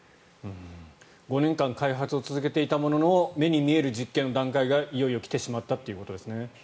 ５年間開発を続けていたものの目に見える実験の段階がいよいよ来てしまったということですね。